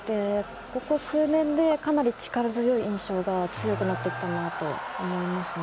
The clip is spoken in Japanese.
ここ数年で、かなり力強い印象が強くなってきたなと思いますね。